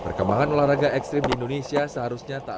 perkembangan olahraga ekstrim di indonesia seharusnya tak